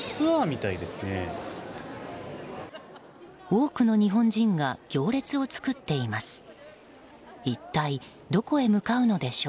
多くの日本人が行列を作っています。